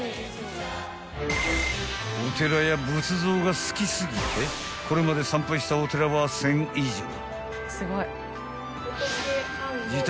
［お寺や仏像が好き過ぎてこれまで参拝したお寺は１，０００以上］